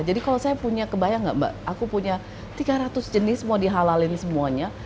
jadi kalau saya punya kebayang gak mbak aku punya tiga ratus jenis mau dihalalin semuanya